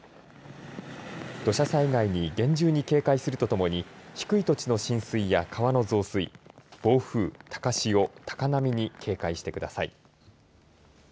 土砂災害に厳重に警戒するとともに低い土地の浸水や川の増水暴風、高潮、高波に警戒してください。